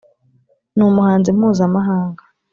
ni umuhanzi mpuzamahanga